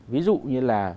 ví dụ như là